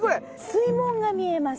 水門が見えます。